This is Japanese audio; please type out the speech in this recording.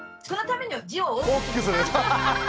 大きくする。